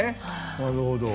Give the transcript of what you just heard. なるほど。